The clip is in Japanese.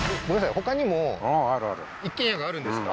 他にも一軒家があるんですか？